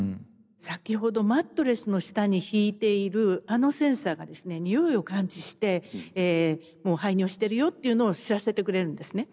先ほどマットレスの下に敷いているあのセンサーがですねにおいを感知してもう排尿してるよっていうのを知らせてくれるんですね。